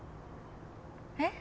えっ？